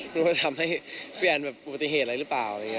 หรือทำให้พี่แอลวิวัตเทศอะไรหรือเปล่า